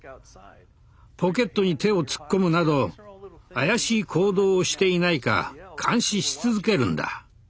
ポケットに手を突っ込むなど怪しい行動をしていないか監視し続けるんだ。